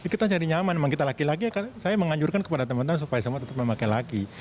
kita nyari nyaman memang kita laki laki saya menganjurkan kepada teman teman supaya semua tetap memakai laki